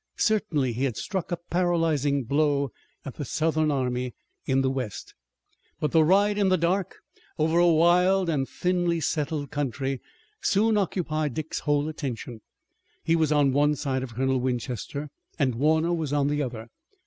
Certainly he had struck a paralyzing blow at the Southern army in the west. But the ride in the dark over a wild and thinly settled country soon occupied Dick's whole attention. He was on one side of Colonel Winchester and Warner was on the other.